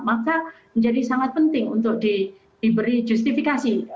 maka menjadi sangat penting untuk diberi justifikasi